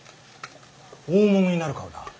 大物になる顔だ。